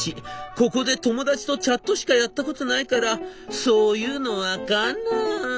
ここで友達とチャットしかやったことないからそういうの分かんない」。